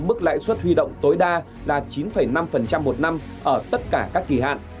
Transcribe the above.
mức lãi suất huy động tối đa là chín năm một năm ở tất cả các kỳ hạn